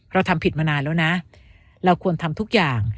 เราทำผิดมานานแล้วนะเราควรทำทุกอย่าง